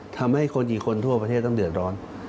ทำให้คนกี่คนทั่วประเทศต้องเดือดร้อน